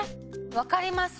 分かります！